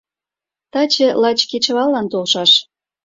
Таче лач кечываллан толшаш.